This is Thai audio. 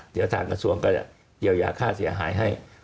เดี๋ยวทางกระทรวงก็จะเยียวยาค่าเสียหายให้